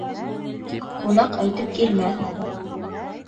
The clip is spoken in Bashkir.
Ҡунаҡ әйтеп килмәҫ